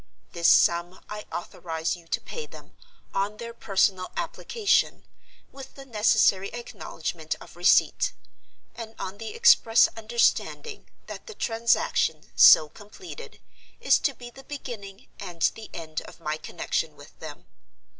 This sum I authorize you to pay them, on their personal application, with the necessary acknowledgment of receipt; and on the express understanding that the transaction, so completed, is to be the beginning and the end of my connection with them.